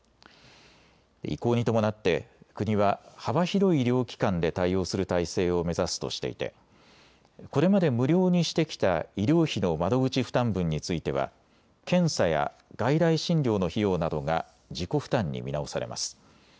移行に伴って国は幅広い医療機関で対応する体制を目指すとしていてこれまで無料にしてきた医療費の窓口負担分については検査や外来診療の費用などが自己負担に見直されます。